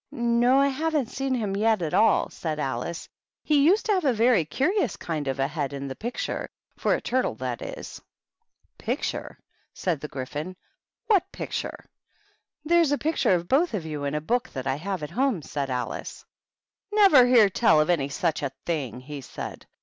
" No, I haven't seen him yet at all," said Alice. " He used to have a very curious kind of a head in the picture, — for a turtle, that is." ^^ Picture r said the Gryphon, "what pict ure?" " There's a picture of both of you in a book that I have at home," said Alice. " Never hear tell of any such a thing," he said.